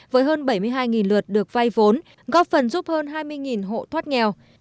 với hơn bảy mươi hai lượt được vay vốn góp phần giúp hơn hai mươi hộ thoát nghèo